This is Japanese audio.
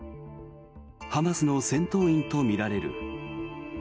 ハマスの戦闘員とみられる。